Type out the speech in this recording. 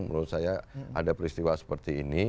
menurut saya ada peristiwa seperti ini